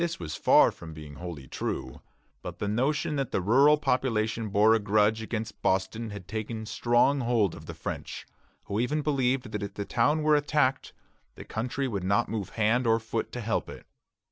This was far from being wholly true; but the notion that the rural population bore a grudge against Boston had taken strong hold of the French, who even believed that if the town were attacked, the country would not move hand or foot to help it.